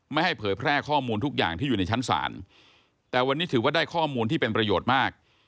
ไม่ให้เผยแพร่ข้อมูลทุกอย่างที่อยู่ในชั้นศาลแต่วันนี้ถือว่าได้ข้อมูลที่เป็นประโยชน์มาก